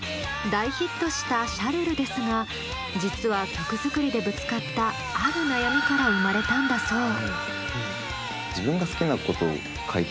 大ヒットした「シャルル」ですが実は曲作りでぶつかったある悩みから生まれたんだそう。